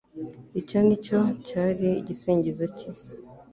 icyo nicyo cyari igisingizo cye )